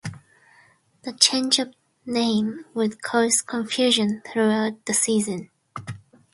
The change of name would cause confusion throughout the season.